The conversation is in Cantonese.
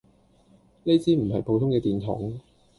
呢支唔係普通嘅電筒